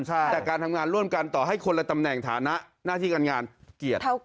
แต่การทำงานร่วมกันต่อให้คนละตำแหน่งฐานะหน้าที่การงานเกียรติ